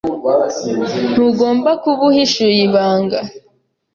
Ntugomba kuba uhishuye ibanga.